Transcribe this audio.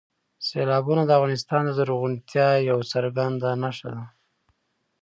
سیلابونه د افغانستان د زرغونتیا یوه څرګنده نښه ده.